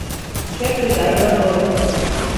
چفت در را باز کردم.